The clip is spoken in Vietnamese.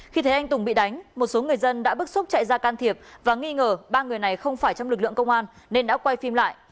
khi thấy anh tùng bị đánh một số người dân đã bức xúc chạy ra can thiệp và nghi ngờ ba người này không phải trong lực lượng công an nên đã quay phim lại